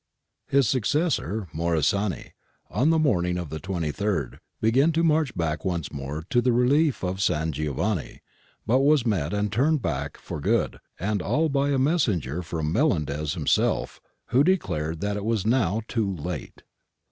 His successor, Morisani, on the morning of the 23rd began to march back once more to the relief of San Giovanni, but was met and turned back for good and all by a messenger from Melendez himself, who declared that it was now too late.